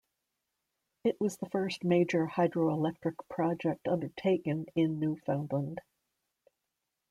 It was the first major hydroelectric project undertaken in Newfoundland.